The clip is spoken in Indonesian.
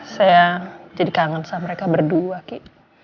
saya jadi kangen sama mereka berdua kik